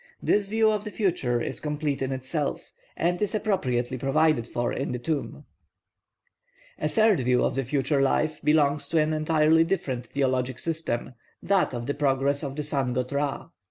This view of the future is complete in itself, and is appropriately provided for in the tomb. A third view of the future life belongs to an entirely different theologic system, that of the progress of the sun god Ra.